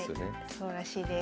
そうらしいです。